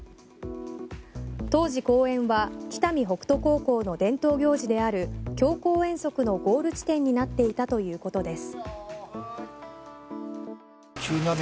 当時、公園は北見北斗高校の伝統行事である強行遠足のゴール地点になっていたということです。